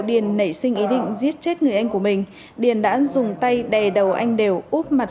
điển nảy sinh ý định giết chết người anh của mình điển đã dùng tay đè đầu anh điển úp mặt